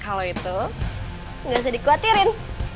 kalo itu gak usah di kuatirin